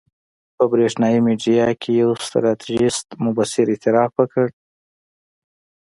په برېښنایي میډیا کې یو ستراتیژیست مبصر اعتراف وکړ.